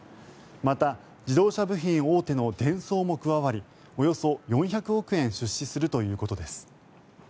また、自動車部品大手のデンソーも加わりおよそ４００億円出資するということです。